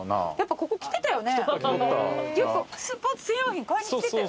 ここに来てたようなね。